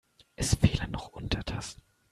Es fehlen noch Untertassen.